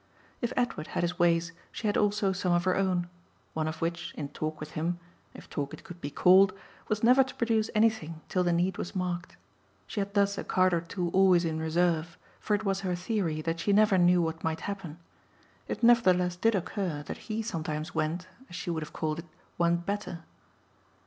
If Edward had his ways she had also some of her own; one of which, in talk with him, if talk it could be called, was never to produce anything till the need was marked. She had thus a card or two always in reserve, for it was her theory that she never knew what might happen. It nevertheless did occur that he sometimes went, as she would have called it, one better.